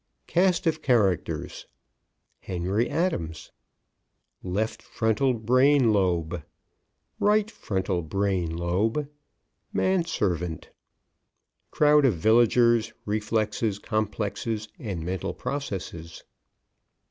CAST OF CHARACTERS Henry Adams. Left Frontal Brain Lobe. Right Frontal Brain Lobe. Manservant. _Crowd of Villagers, Reflexes, Complexes, and Mental Processes.